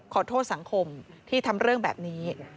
ขอโทษสังคมที่ทำเรื่องแบบนี้